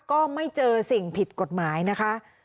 ก็ไม่เจอสิ่งผิดกฎหมายนะคะ